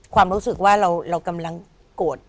ความรู้สึกว่าเรากำลังโกรธ